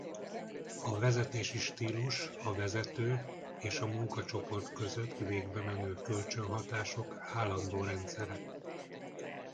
A vezetési stílus a vezető és a munkacsoport között végbemenő kölcsönhatások állandó rendszere.